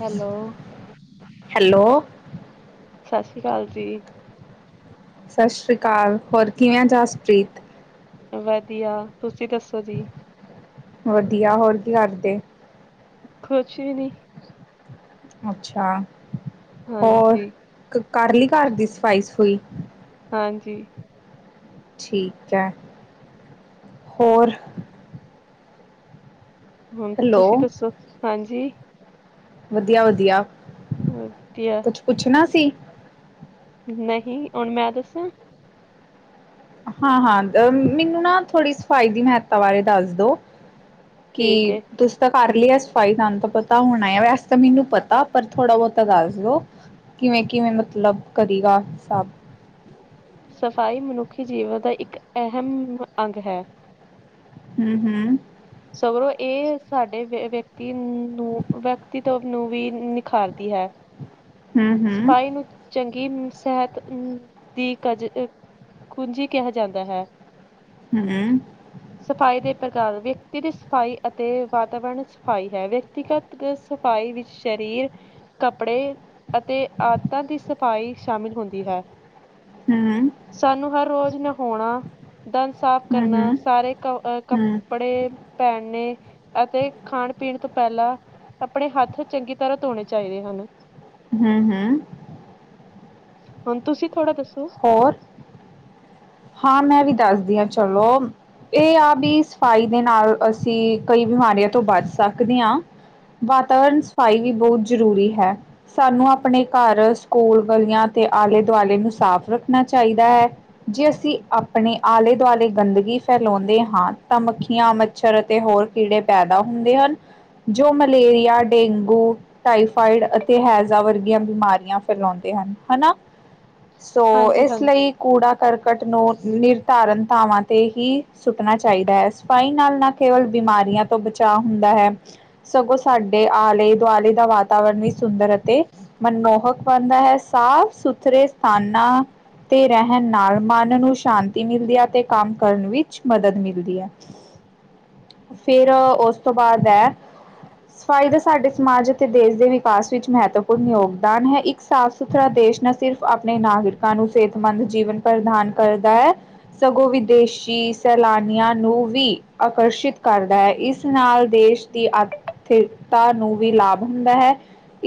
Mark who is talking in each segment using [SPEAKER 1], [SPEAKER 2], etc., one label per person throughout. [SPEAKER 1] Hello.
[SPEAKER 2] Hello.
[SPEAKER 1] ਸਤਿ ਸ਼੍ਰੀ ਅਕਾਲ ਜੀ।
[SPEAKER 2] ਸਤਿ ਸ੍ਰੀ ਅਕਾਲ, ਹੋਰ ਕਿਵੇਂ ਜਾਸਪ੍ਰੀਤ?
[SPEAKER 1] ਵਧੀਆ, ਤੁਸੀਂ ਦੱਸੋ ਜੀ।
[SPEAKER 2] ਵਧੀਆ, ਹੋਰ ਕੀ ਕਰਦੇ?
[SPEAKER 1] ਕੁਛ ਵੀ ਨੀ।
[SPEAKER 2] ਅੱਛਾ, ਹੋਰ
[SPEAKER 1] ਹਾਂਜੀ।
[SPEAKER 2] ਕਰ ਲੀ ਘਰ ਦੀ ਸਫ਼ਾਈ-ਸਫੂਈ?
[SPEAKER 1] ਹਾਂਜੀ।
[SPEAKER 2] ਠੀਕ ਐ, ਹੋਰ?
[SPEAKER 1] ਹੁਨ
[SPEAKER 2] ਹੈਲੋ
[SPEAKER 1] ਤੁਸੀਂ ਦੱਸੋ ਹਾਂਜੀ।
[SPEAKER 2] ਵਧੀਆ-ਵਧੀਆ।
[SPEAKER 1] [unintelligible]
[SPEAKER 2] ਕੁਛ ਪੁੱਛਣਾ ਸੀ।
[SPEAKER 1] ਨਹੀਂ, ਹੁਣ ਮੈਂ ਦੱਸਾਂ
[SPEAKER 2] ਹਾਂ, ਹਾਂ ਮੈਨੂੰ ਨਾ, ਥੋੜ੍ਹੀ ਸਫ਼ਾਈ ਦੀ ਮਹੱਤਾ ਬਾਰੇ ਦੱਸ ਦੋ ਕੀ
[SPEAKER 1] ਠੀਕ ਏ।
[SPEAKER 2] ਤੁਂਸੀ ਤਾਂ ਕਰ ਲੀ ਆ ਸਫਾਈ, ਤੁਹਾਨੂੰ ਤਾਂ ਪਤਾ ਹੋਣਾ, ਵੈਸੇ ਤਾਂ ਮੈਨੂੰ ਪਤਾ, ਪਰ ਥੋੜ੍ਹਾ ਬਹੁਤਾ ਦੱਸ ਦੋ। ਕਿਵੇਂ ਕਿਵੇਂ ਮਤਲਬ ਕਰੇਗਾ ਸਭ
[SPEAKER 1] ਸਫ਼ਾਈ ਮਨੁੱਖੀ ਜੀਵਨ ਦਾ, ਇੱਕ ਅਹਿਮ ਅੰਗ ਹੈ
[SPEAKER 2] ਹੂ ਹੂ
[SPEAKER 1] ਸਗਰੋਂ ਇਹ ਸਾਡੇ ਵਿਅਕਤੀ ਨੂੰ ਵਿਅਕਤੀਵ ਨੂੰ ਵੀ ਨਿਖਾਰਦੀ ਹੈ
[SPEAKER 2] ਹਮ
[SPEAKER 1] ਸਫਾਈ ਨੂੰ ਚੰਗੀ ਸਿਹਤ ਅ ਦੀ ਕਜ ਕੁੰਜੀ ਕਿਹਾ ਜਾਂਦਾ ਹੈ
[SPEAKER 2] ਹੂ ਹੂ
[SPEAKER 1] ਸਫ਼ਾਈ ਦੇ ਪ੍ਰਕਾਰ ਵਿਅਕਤੀ ਦੀ ਸਫ਼ਾਈ ਅਤੇ ਵਾਤਾਵਰਨ ਸਫ਼ਾਈ ਹੈ, ਵਿਅਕਤੀਗਤ ਸਫਾਈ ਵਿੱਚ ਸਰੀਰ, ਕੱਪੜੇ ਅਤੇ ਆਦਤਾਂ ਦੀ ਸਫਾਈ ਸ਼ਾਮਿਲ ਹੁੰਦੀ ਹੈ
[SPEAKER 2] ਹਮ ਹਮ
[SPEAKER 1] ਸਾਨੂੰ ਹਰ ਰੋਜ਼ ਨਹਾਣਾ ਦੰਦ ਸਾਫ਼ ਕਰਨਾ,
[SPEAKER 2] ਹੂੰ-ਹੂੰ,
[SPEAKER 1] ਸਾਰੇ
[SPEAKER 2] ਹੂੰ,
[SPEAKER 1] ਕੱਪੜੇ ਪਹਿਨਣੇ, ਅਤੇ ਖਾਣ- ਪੀਣ ਤੋਂ ਪਹਿਲਾਂ ਆਪਣੇ ਹੱਥ ਚੰਗੀ ਤਰ੍ਹਾਂ ਧੋਣੇ ਚਾਹੀਦੇ ਹਨ
[SPEAKER 2] ਹੂ ਹੂ
[SPEAKER 1] ਹੁਣ ਤੁਸੀਂ ਥੋੜ੍ਹਾ ਦੱਸੋ
[SPEAKER 2] ਹੋਰ। ਹਾਂ ਮੈਂ ਵੀ ਦੱਸਦੀ ਹਾਂ ਚਲੋ। ਇਹ ਆ ਵੀ ਸਫ਼ਾਈ ਦੇ ਨਾਲ, ਅਸੀਂ ਕਈ ਬਿਮਾਰੀਆਂ ਤੋਂ ਬਚ ਸਕਦੇ ਹਾਂ ਵਾਤਾਵਰਨ ਸਫ਼ਾਈ ਵੀ ਬਹੁਤ ਜ਼ਰੂਰੀ ਹੈ। ਸਾਨੂੰ ਆਪਣੇ ਘਰ, ਸਕੂਲ, ਗਲੀਆਂ ਅਤੇ ਆਲੇ ਦੁਆਲੇ ਨੂੰ ਸਾਫ਼ ਰੱਖਣਾ ਚਾਹੀਦਾ ਹੈ। ਜੇ ਅਸੀਂ ਆਪਣੇ ਆਲੇ ਦੁਆਲੇ ਗੰਦਗੀ ਫੈਲਾਉਂਦੇ ਹਾਂ, ਤਾਂ ਮੱਖੀਆਂ ਮ ਮੱਛਰ ਅਤੇ ਹੋਰ ਕੀੜੇ ਪੈਦਾ ਹੁੰਦੇ ਹਨ, ਜੋ ਮਲੇਰੀਆ ਡੇਂਗੂ ਟਾਈਫਾਈਡ ਅਤੇ ਹੈਜ਼ਾ ਵਰਗੀਆਂ ਬਿਮਾਰੀਆਂ ਫੈਲਾਉਂਦੇ ਹਨ ਹੈਨਾ। ਸੋ,
[SPEAKER 1] ਹਾਂਜੀ
[SPEAKER 2] ਇਸ
[SPEAKER 1] ਹਾਂਜੀ
[SPEAKER 2] ਲਈ ਕੂੜਾ ਕਰਕਟ ਨੂੰ ਨਿਰਧਾਰਨ ਥਾਵਾਂ ਤੇ ਹੀ ਸੁੱਟਣਾ ਚਾਹੀਦਾ ਹੈ, ਸਫਾਈ ਨਾਲ ਨਾ ਕੇਵਲ ਬਿਮਾਰੀਆਂ ਤੋਂ ਬਚਾਅ ਹੁੰਦਾ ਹੈ। ਸਗੋਂ ਸਾਡੇ ਆਲੇ -ਦੁਆਲੇ ਦਾ, ਵਾਤਾਵਰਨ ਵੀ ਸੁੰਦਰ ਅਤੇ ਮਨਮੋਹਕ ਬਣਦਾ ਹੈ, ਸਾਫ ਸੁਥਰੇ ਸਥਾਨਾਂ ਤੇ ਰਹਿਣ ਨਾਲ ਮਨ ਨੂੰ ਸ਼ਾਂਤੀ ਮਿਲਦੀ ਹੈ, ਅਤੇ ਕੰਮ ਕਰਨ ਵਿੱਚ ਮਦਦ ਮਿਲਦੀ ਹੈ ਫੇਰ ਉਸ ਤੋਂ ਬਾਅਦ ਐ। ਸਫਾਈ ਦਾ ਸਾਡੇ ਸਮਾਜ ਅਤੇ ਦੇਸ਼ ਦੇ ਵਿਕਾਸ ਵਿੱਚ, ਮਹੱਤਵਪੂਰਨ ਯੋਗਦਾਨ ਹੈ ਇੱਕ ਸਾਫ਼ ਸੁਥਰਾ ਦੇਸ਼, ਨਾ ਸਿਰਫ਼ ਆਪਣੇ ਨਾਗਰਿਕਾਂ ਨੂੰ ਸਿਹਤਮੰਦ ਜੀਵਨ ਪ੍ਰਦਾਨ ਕਰਦਾ ਹੈ ਸਗੋਂ ਵਿਦੇਸ਼ੀ ਸੈਲਾਨੀਆਂ ਨੂੰ ਵੀ ਆਕਰਸ਼ਿਤ ਕਰਦਾ ਹੈ, ਇਸ ਨਾਲ ਦੇਸ਼ ਦੀ ਆਰਥਿਕਤਾ ਨੂੰ, ਵੀ ਲਾਭ ਹੁੰਦਾ ਹੈ!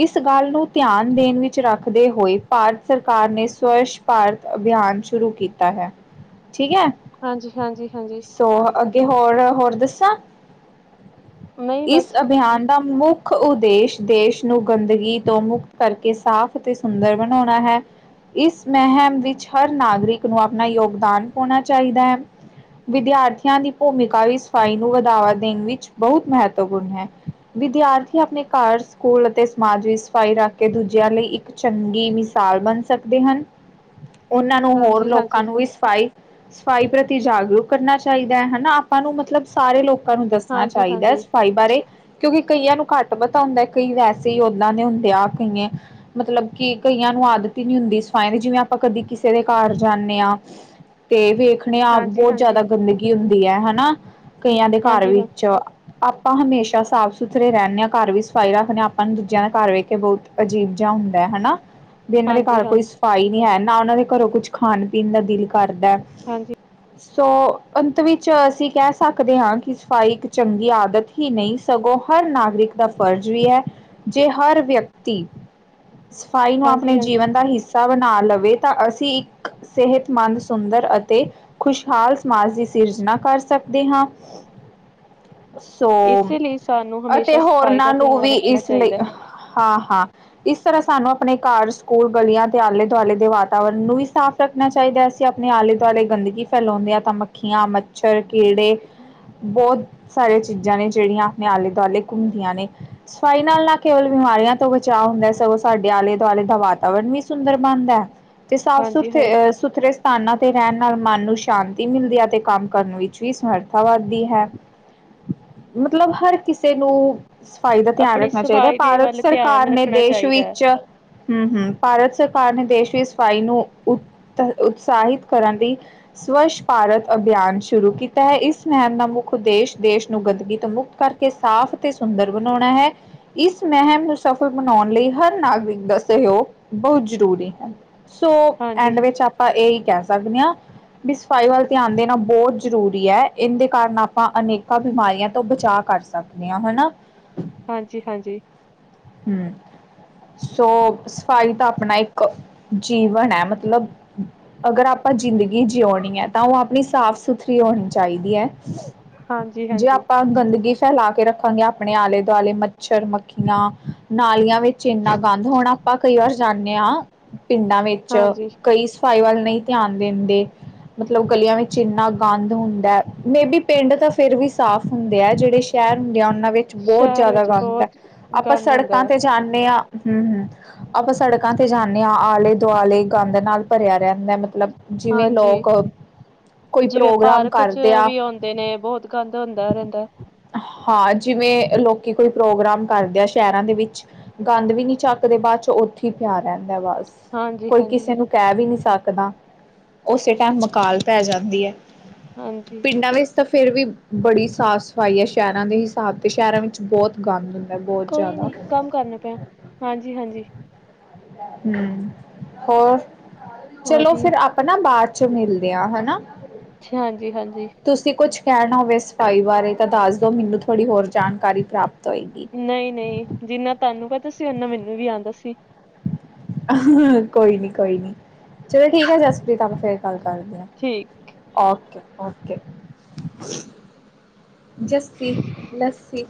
[SPEAKER 2] ਇਸ ਗੱਲ ਨੂੰ ਧਿਆਨ ਦੇਣ ਵਿੱਚ ਰੱਖਦੇ ਹੋਏ, ਭਾਰਤ ਸਰਕਾਰ ਨੇ ਸਵੱਛ ਭਾਰਤ ਅਭਿਆਨ ਸ਼ੁਰੂ ਕੀਤਾ ਹੈ, ਠੀਕ ਹੈ,
[SPEAKER 1] ਹਾਂਜੀ ਹਾਂਜੀ ਹਾਂਜੀ
[SPEAKER 2] ਸੋ ਅ ਕਿ ਹੋਰ, ਹੋਰ ਦੱਸਾਂ,
[SPEAKER 1] ਨਹੀਂ
[SPEAKER 2] ਇਸ
[SPEAKER 1] ਬਸ
[SPEAKER 2] ਅਭਿਆਨ ਦਾ ਮੁੱਖ ਮੁੱਖ ਉਦੇਸ਼ -ਦੇਸ਼ ਨੂੰ, ਗੰਦਗੀ ਤੋਂ, ਮੁਕਤ ਕਰਕੇ ਸਾਫ਼ ਅਤੇ ਸੁੰਦਰ ਬਣਾਉਣਾ ਹੈ ਇਸ ਮਹਿਮ ਵਿੱਚ ਹਰ ਨਾਗਰਿਕ ਨੂੰ ਆਪਣਾ ਯੋਗਦਾਨ ਪਾਉਣਾ ਚਾਹੀਦਾ ਹੈ। ਵਿਦਿਆਰਥੀਆਂ ਦੀ, ਭੂਮਿਕਾ ਵੀ, ਸਫਾਈ ਨੂੰ ਵਧਾਵਾ ਦੇਣ ਵਿੱਚ ਬਹੁਤ ਮਹੱਤਵਪੂਰਨ ਹੈ ਵਿਦਿਆਰਥੀ ਆਪਣੇ ਘਰ ਸਕੂਲ ਅਤੇ ਸਮਾਜ ਵਿੱਚ ਸਫ਼ਾਈ ਰੱਖ ਕੇ ਦੂਜਿਆਂ ਲਈ ਇੱਕ ਚੰਗੀ ਮਿਸਾਲ ਬਣ ਸਕਦੇ ਹਨ, ਉਹਨਾਂ ਨੂੰ, ਹੋਰ
[SPEAKER 1] ਹਾਂਜੀ ਹਾਂਜੀ
[SPEAKER 2] ਲੋਕਾਂ ਨੂੰ ਸਫਾਈ ਸਫਾਈ ਪ੍ਰਤੀ ਜਾਗਰੂਕ ਕਰਨਾ ਚਾਹੀਦਾ ਹੈ, ਹੈਨਾ ਆਪਾਂ ਨੂੰ ਮਤਲਬ ਸਾਰੇ ਲੋਕਾਂ ਨੂੰ ਦੱਸਣਾ
[SPEAKER 1] ਹਾਂਜੀ
[SPEAKER 2] ਚਾਹੀਦਾ ਹੈ,
[SPEAKER 1] ਹਾਂਜੀ
[SPEAKER 2] ਸਫਾਈ ਬਾਰੇ ਕਿਉਂਕਿ, ਕਈਆਂ ਨੂੰ ਘੱਟ ਪਤਾ ਹੁੰਦਾ ਕਈ ਵੈਸੇ ਹੀ ਉਦਾਂ ਦੇ ਹੁੰਦੇ ਆ ਕਈਏ ਮਤਲਬ, ਕਿ ਕਈਆਂ ਨੂੰ ਆਦਤ ਹੀ ਨੀ ਹੁੰਦੀ ਸਫਾਈਆਂ ਦੀ ਜਿਵੇਂ, ਆਪਾਂ ਕਦੀ ਕਿਸੇ ਦੇ ਘਰ ਜਾਂਦੇ ਹਾਂ, ਤੇ ਵੇਖਣੇ ਹਾਂ
[SPEAKER 1] ਹਾਂਜੀ
[SPEAKER 2] ਬਹੁਤ
[SPEAKER 1] ਹਾਂਜੀ
[SPEAKER 2] ਜ਼ਿਆਦਾ ਗੰਦਗੀ ਹੁੰਦੀ ਹੈ ਹਨਾ। ਕਈਆਂ ਦੇ ਘਰ
[SPEAKER 1] ਹਾਂਜੀ ਹਾਂ
[SPEAKER 2] ਵਿੱਚ ਆਪਾਂ ਹਮੇਸ਼ਾ ਸਾਫ਼ ਸੁਥਰੇ ਰਹਿੰਦੇ ਹਾਂ ਘਰ ਵੀ ਸਫ਼ਾਈ ਰੱਖਦੇ ਹਾਂ। ਆਪਾਂ ਨੂੰ ਦੂਜਿਆਂ ਦਾ ਘਰ ਵੇਖ ਕੇ ਬਹੁਤ ਅਜੀਬ ਜਿਹਾ ਹੁੰਦਾ ਹਨਾ। ਵੀ ਇਹਨਾਂ ਦੇ
[SPEAKER 1] ਹਾਂਜੀ
[SPEAKER 2] ਘਰ ਕੋਈ
[SPEAKER 1] ਹਾਂਜੀ
[SPEAKER 2] ਸਫ਼ਾਈ ਨਹੀਂ ਹੈ ਨਾ ਉਹਨਾਂ ਦੇ ਘਰੋਂ ਕੁੱਛ ਖਾਣ-ਪੀਣ ਦਾ ਦਿਲ ਕਰਦਾ।
[SPEAKER 1] ਹਾਂਜੀ।
[SPEAKER 2] ਸੋ, ਅੰਤ ਵਿੱਚ ਅਸੀਂ ਕਹਿ ਸਕਦੇ ਹਾਂ ਕਿ ਸਫ਼ਾਈ ਇੱਕ ਚੰਗੀ ਆਦਤ ਹੀ ਨਹੀਂ। ਸਗੋਂ ਹਰ ਨਾਗਰਿਕ ਦਾ ਫਰਜ਼ ਵੀ ਹੈ ਜੇ ਹਰ ਵਿਅਕਤੀ ਸਫ਼ਾਈ ਨੂੰ
[SPEAKER 1] ਹਾਂਜੀ,
[SPEAKER 2] ਆਪਣੇ
[SPEAKER 1] ਹਾਂਜੀ
[SPEAKER 2] ਜੀਵਨ ਦਾ ਹਿੱਸਾ ਬਣਾ ਲਵੇ ਤਾਂ ਅਸੀਂ ਇੱਕ ਸਿਹਤਮੰਦ ਸੁੰਦਰ ਅਤੇ ਖੁਸ਼ਹਾਲ ਸਮਾਜ ਦੀ ਸਿਰਜਣਾ ਕਰ ਸਕਦੇ ਹਾਂ।
[SPEAKER 1] [inaudible]
[SPEAKER 2] ਸੋ,
[SPEAKER 1] ਇਸੇ ਲਈ ਸਾਨੂੰ
[SPEAKER 2] ਅਤੇ
[SPEAKER 1] ਹਮੇਸ਼ਾ ਸਫ਼ਾਈ ਦਾ
[SPEAKER 2] ਹੋਰਨਾਂ ਨੂੰ
[SPEAKER 1] ਧਿਆਨ
[SPEAKER 2] ਵੀ
[SPEAKER 1] ਰੱਖਣਾ
[SPEAKER 2] ਇਸ ਲਈ
[SPEAKER 1] ਚਾਹੀਦਾ। ਹੈ।
[SPEAKER 2] ਹਾਂ, ਹਾਂ ਇਸ ਤਰ੍ਹਾਂ ਸਾਨੂੰ ਆਪਣੇ ਘਰ ਸਕੂਲ ਗਲੀਆਂ ਤੇ ਆਲੇ -ਦੁਆਲੇ ਦੇ ਵਾਤਾਵਰਨ ਨੂੰ ਵੀ ਸਾਫ਼ ਰੱਖਣਾ ਚਾਹੀਦਾ ਅਸੀਂ ਆਪਣੇ ਆਲੇ ਦੁਆਲੇ ਗੰਦਗੀ ਫੈਲਾਉਂਦੇ ਹਾਂ ਤਾਂ ਮੱਖੀਆਂ ਮ ਛਰ ਕੀੜੇ ਬਹੁਤ ਸਾਰੀਆਂ ਚੀਜ਼ਾਂ ਨੇ ਜਿਹੜੀਆਂ ਆਪਣੇ ਆਲੇ-ਦੁਆਲੇ ਘੁੰਮਦੀਆਂ ਨੇ ਸਫਾਈ ਨਾਲ ਨਾ ਕੇਵਲ ਬਿਮਾਰੀਆਂ ਤੋਂ ਬਚਾਅ ਹੁੰਦਾ। ਸਗੋਂ ਸਾਡੇ ਆਲੇ ਦੁਆਲੇ ਦਾ ਵਾਤਾਵਰਨ ਵੀ ਸੁੰਦਰ ਬਣਦਾ। ਤੇ ਸਾਫ਼
[SPEAKER 1] ਹਾਂਜੀ
[SPEAKER 2] ਸੁਥਰੇ
[SPEAKER 1] ਹਾਂ,
[SPEAKER 2] ਅ ਸੁਥਰੇ ਸਥਾਨਾਂ ਤੇ ਰਹਿਣ ਨਾਲ ਮਨ ਨੂੰ ਸ਼ਾਂਤੀ ਮਿਲਦੀ ਹੈ ਅਤੇ ਕੰਮ ਕਰਨ ਵਿੱਚ ਵੀ ਸਮਰਥਾ ਵੱਧਦੀ ਹੈ
[SPEAKER 1] [unintelligible]
[SPEAKER 2] ਮਤਲਬ ਹਰ ਕਿਸੇ ਨੂੰ ਸਫ਼ਾਈ ਦਾ ਧਿਆਨ
[SPEAKER 1] ਆਪਣੀ
[SPEAKER 2] ਰੱਖਣਾ ਚਾਹੀਦਾ।
[SPEAKER 1] ਸਫ਼ਾਈ ਦੇ
[SPEAKER 2] ਭਾਰਤ
[SPEAKER 1] ਵੱਲ ਧਿਆਨ
[SPEAKER 2] ਸਰਕਾਰ ਨੇ
[SPEAKER 1] ਰੱਖਣਾ
[SPEAKER 2] ਦੇਸ਼
[SPEAKER 1] ਚਾਹੀਦਾ ਹੈ।
[SPEAKER 2] ਵਿੱਚ ਹੂ- ਹੂ ਭਾਰਤ ਸਰਕਾਰ ਨੇ ਦੇਸ਼ ਵੀ ਸਫਾਈ ਨੂੰ ਉਤਸ਼ਾਹਿਤ ਕਰਨ ਦੀ ਸਵੱਛ ਭਾਰਤ ਅਭਿਆਨ ਸ਼ੁਰੂ ਕੀਤਾ ਹੈ। ਇਸ ਨਹਿਮ ਦਾ ਮੁੱਖ ਉਦੇਸ਼ ਦੇਸ਼ ਨੂੰ ਗੰਦਗੀ ਤੋਂ ਮੁਕਤ ਕਰਕੇ ਸਾਫ਼ ਤੇ, ਸੁੰਦਰ ਬਣਾਉਣਾ ਹੈ। ਇਸ ਮਹਿਮ ਨੂੰ ਸਫਲ ਬਣਾਉਣ ਲਈ ਹਰ ਨਾਗਰਿਕ ਦਾ ਸਹਿਯੋਗ ਬਹੁਤ ਜ਼ਰੂਰੀ ਹੈ। ਸੋ,
[SPEAKER 1] ਹਾਂਜੀ,
[SPEAKER 2] ਐਂਡ ਵਿੱਚ ਆਪਾਂ ਇਹ ਹੀ ਕਹਿ ਸਕਦੇ ਹਾਂ। ਵੀ ਸਫਾਈ ਵੱਲ ਧਿਆਨ ਦੇਣਾ ਬਹੁਤ ਜ਼ਰੂਰੀ ਹੈ ਇਹਦੇ ਕਾਰਨ ਆਪਾਂ ਅਨੇਕਾਂ ਬਿਮਾਰੀਆਂ ਤੋਂ ਬਚਾਅ ਕਰ ਸਕ ਸਕਦੀਆਂ ਹਨਾ
[SPEAKER 1] ਹਾਂਜੀ, ਹਾਂਜੀ
[SPEAKER 2] ਹੂ, ਸੋ ਸਫਾਈ ਤਾਂ ਆਪਣਾ ਇੱਕ ਜੀਵਨ ਹੈ ਮਤਲਬ ਅਗਰ ਆਪਾਂ ਜ਼ਿੰਦਗੀ ਜਿਉਣੀ ਹੈ ਤਾਂ ਉਹ ਆਪਣੀ ਸਾਫ਼ ਸੁਥਰੀ ਹੋਣੀ ਚਾਹੀਦੀ ਹੈ। ਜੇ
[SPEAKER 1] ਹਾਂਜੀ,
[SPEAKER 2] ਆਪਾਂ ਗੰਦਗੀ ਫੈਲਾ ਕੇ ਰੱਖਾਂਗੇ ਆਪਣੇ ਆਲੇ- ਦੁਆਲੇ, ਮੱਛਰ- ਮੱਖੀਆਂ ਨਾਲੀਆਂ ਵਿੱਚ ਇੰਨਾ ਗੰਦ ਹੋਣਾ। ਆਪਾਂ ਕਈ ਵਾਰ ਜਾਂਦੇ ਹਾਂ ਪਿੰਡਾਂ ਵਿੱਚ,
[SPEAKER 1] ਹਾਂਜੀ, ਹਾਂਜੀ।
[SPEAKER 2] ਕਈ ਸਫਾਈ ਵੱਲ ਨਹੀਂ ਧਿਆਨ ਦਿੰਦੇ। ਮਤਲਬ ਗਲੀਆਂ ਵਿੱਚ ਇੰਨਾ ਗੰਦ ਹੁੰਦਾ ਮੇਬੀ ਪਿੰਡ ਤਾ ਫੇਰ ਵੀ ਸਾਫ਼ ਹੁੰਦੇ ਐ ਜੇੜੇ ਸ਼ਹਿਰ ਹੁੰਦੇ ਆ, ਉਹਨਾਂ ਵਿੱਚ ਬਹੁਤ
[SPEAKER 1] ਸ਼ਹਿਰ
[SPEAKER 2] ਜ਼ਿਆਦਾ
[SPEAKER 1] ਵਿੱਚ
[SPEAKER 2] ਗੰਦ ਹੈ।
[SPEAKER 1] ਬਹੁਤ
[SPEAKER 2] ਆਪਾਂ
[SPEAKER 1] ਗੰਦ ਹੁੰਦਾ
[SPEAKER 2] ਸੜਕਾਂ
[SPEAKER 1] ਹੈ।
[SPEAKER 2] ਤੇ ਜਾਂਦੇ ਹਾਂ ਹਮ -ਹਮ ਆਪਾਂ ਸੜਕਾਂ ਤੇ ਜਾਂਦੇ ਆ, ਆਲੇ- ਦੁਆਲੇ ਗੰਦ ਨਾਲ ਭਰਿਆ ਰਹਿੰਦਾ ਮਤਲਬ ਜਿਵੇਂ
[SPEAKER 1] ਹਾਂਜੀ,
[SPEAKER 2] ਲੋਕ ਕੋਈ
[SPEAKER 1] ਜਿਵੇਂ
[SPEAKER 2] ਪ੍ਰੋਗਰਾਮ
[SPEAKER 1] ਪਾਰਕ ਚ
[SPEAKER 2] ਕਰਦੇ ਆ
[SPEAKER 1] ਵੀ ਆਉਂਦੇ ਨੇ, ਬਹੁਤ ਗੰਦ ਹੁੰਦਾ ਰਹਿੰਦਾ।
[SPEAKER 2] ਹਾਂ ਜਿਵੇਂ, ਲੋਕੀ ਕੋਈ ਪ੍ਰੋਗਰਾਮ ਕਰਦੇ ਆ! ਸ਼ਹਿਰਾਂ ਦੇ ਵਿੱਚ ਗੰਦ ਵੀ, ਨੀ ਚੱਕਦੇ ਬਾਅਦ ਚੋਂ, ਉੱਥੇ ਪਿਆ ਰਹਿੰਦਾ ਬਸ
[SPEAKER 1] ਹਾਂਜੀ,
[SPEAKER 2] ਕੋਈ ਕਿਸੇ
[SPEAKER 1] ਹਾਂਜੀ,
[SPEAKER 2] ਨੂੰ ਕਹਿ ਵੀ ਨੀ ਸਕਦਾ। ਉਸੇ ਟਾਈਮ ਮਕਾਲ ਪੈ ਜਾਂਦੀ ਹੈ।
[SPEAKER 1] ਹਾਂਜੀ
[SPEAKER 2] ਪਿੰਡਾਂ ਵਿੱਚ ਤਾਂ ਫਿਰ ਵੀ ਬੜੀ ਸਾਫ਼ ਸਫਾਈ ਹੈ, ਸ਼ਹਿਰਾਂ ਦੇ ਹਿਸਾਬ ਤੇ ਸ਼ਹਿਰਾਂ ਵਿੱਚ ਬਹੁਤ ਗੰਦ ਹੁੰਦਾ ਬਹੁਤ
[SPEAKER 1] ਕੋਈ
[SPEAKER 2] ਜ਼ਿਆਦਾ
[SPEAKER 1] ਨੀ ਕੰਮ ਕਰਨਾ ਪਏ ਹਾਂ। ਹਾਂਜੀ- ਹਾਂਜੀ।
[SPEAKER 2] ਹੂ ਹੋਰ, ਚਲੋ
[SPEAKER 1] ਵਧੀਆ
[SPEAKER 2] ਫਿਰ ਆਪ ਆਪਾਂ ਨਾ, ਬਾਅਦ ਚ, ਮਿਲਦੇ ਹਾਂ ਹਨਾ!
[SPEAKER 1] ਅੱਛਾ, ਹਾਂਜੀ ਹਾਂਜੀ।
[SPEAKER 2] ਤੁਸੀਂ ਕੁਛ ਕਹਿਣਾ ਹੋਵੇ ਸਫਾਈ ਬਾਰੇ ਤਾਂ ਦੱਸ ਦੋ, ਮੈਨੂੰ ਥੋੜ੍ਹੀ ਹੋਰ ਜਾਣਕਾਰੀ ਪ੍ਰਾਪਤ ਹੋਏਗੀ।
[SPEAKER 1] ਨੲਈ-ਨਈ ਜਿੰਨਾ ਤਹਾਨੂੰ ਪਤਾ ਸੀ, ਓਨਾ ਮੈਨੂੰ ਵੀ ਆਂਦਾ ਸੀ।
[SPEAKER 2] ਕੋਈ ਨੀ ਕੋਈ ਨੀ, ਚਲੋ ਠੀਕ ਹੈ ਜਸਪ੍ਰੀਤ ਫੇਰ ਗੱਲ ਕਰਦੇ ਹ।
[SPEAKER 1] ਠੀਕ।
[SPEAKER 2] Okay okay. ਜੱਸੀ, ਲੱਸੀ